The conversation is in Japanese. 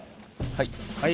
はい。